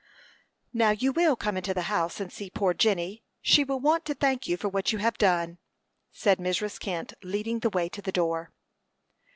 "Now, you will come into the house and see poor Jenny. She will want to thank you for what you have done," said Mrs. Kent, leading the way to the door.